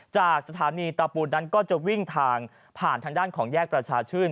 จากสถานีตาปูนนั้นก็จะวิ่งทางผ่านทางด้านของแยกประชาชื่น